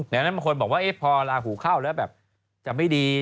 ดังนั้นบางคนบอกว่าพอลาหูเข้าแล้วแบบจะไม่ดี